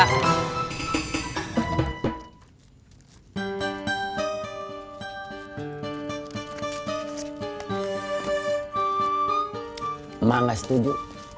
emak gak setuju